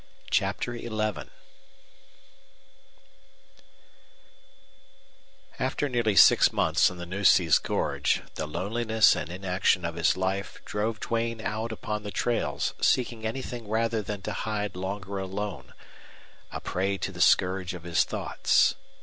CHAPTER XI After nearly six months in the Nueces gorge the loneliness and inaction of his life drove Duane out upon the trails seeking anything rather than to hide longer alone, a prey to the scourge of his thoughts.